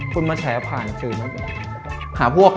คุณมาแฉผ่านคือหาพวกเหรอ